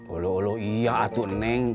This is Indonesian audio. olah olah iya atuh neng